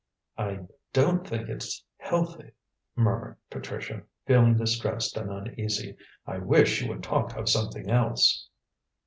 "I don't think it's healthy," murmured Patricia, feeling distressed and uneasy. "I wish you would talk of something else."